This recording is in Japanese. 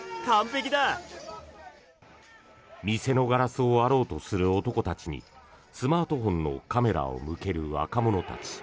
店のガラスを割ろうとする男たちにスマートフォンのカメラを向ける若者たち。